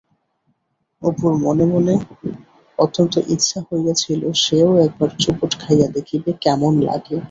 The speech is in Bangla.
অপুর মনে মনে অত্যন্ত ইচ্ছা হইয়াছিল সেও একবাব চুবুট খাইয়া দেখিবে, কেমন লাগে।